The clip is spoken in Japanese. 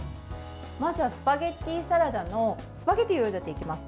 まずはスパゲッティサラダのスパゲッティをゆでていきます。